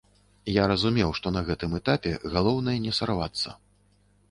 Я разумеў, што на гэтым этапе галоўнае не сарвацца.